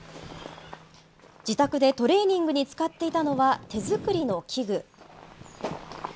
自宅でトレーニングに使っていたのは、手作りの器具。